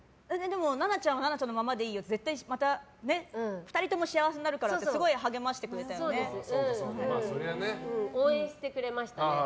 奈々ちゃんは奈々ちゃんのままでいいよって絶対また２人とも幸せになるからって応援してくれましたね。